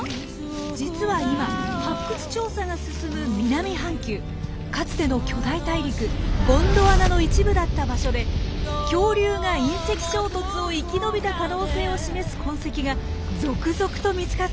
実は今発掘調査が進む南半球かつての巨大大陸ゴンドワナの一部だった場所で恐竜が隕石衝突を生き延びた可能性を示す痕跡が続々と見つかっているんですよ。